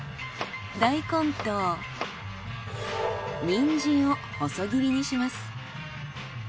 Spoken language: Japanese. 大根とニンジンを細切りにします。